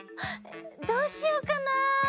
どうしようかな。